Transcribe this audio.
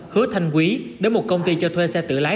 hứa thanh quý đến một công ty cho thuê xe tự lái